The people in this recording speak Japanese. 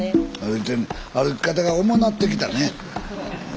スタジオ歩き方が重なってきたね。